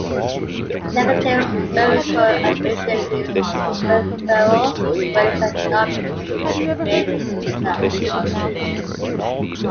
"Negative" spherical aberration means peripheral rays are not bent enough.